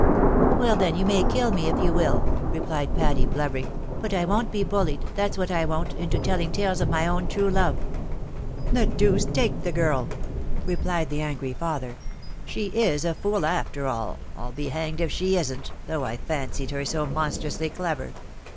" Well, then, you may kiU me, if you will," replied Patty, blubbering, " but I won't be buUied, that's what 1 won't, into teUing tales of my own true love." " The deuce take the girl !" replied the angry father. " She is a fool after all, I'll be hanged if she isn't, though I fancied her so monstrously clever.